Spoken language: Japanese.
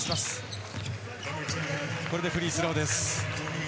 これでフリースローです。